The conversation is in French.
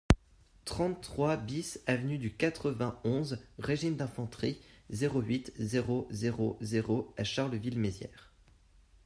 trente-trois BIS avenue du quatre-vingt-onze e Régiment d'Infanterie, zéro huit, zéro zéro zéro à Charleville-Mézières